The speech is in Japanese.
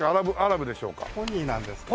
ポニーなんですけど。